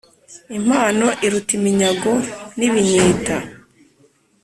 impano iruta iminyago n’ibinyita.